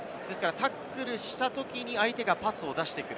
タックルしたときに相手がパスを出してくる。